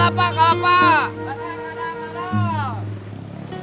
ladang ladang ladang